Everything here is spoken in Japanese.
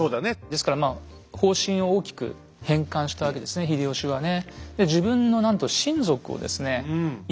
ですからまあ方針を大きく変換したわけですね秀吉はね。